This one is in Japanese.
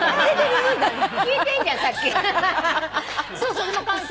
そんな感じ。